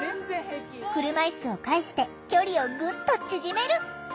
車いすを介して距離をぐっと縮める。